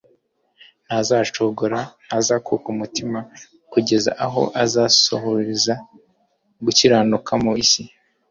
ntazacogora, ntazakuka umutima kugeza aho azasohoreza gukiranuka mu isi